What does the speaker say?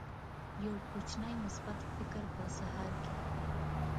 یو کوچنی مثبت فکر په سهار کې